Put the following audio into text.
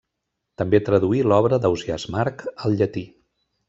També traduí l'obra d'Ausiàs March al llatí.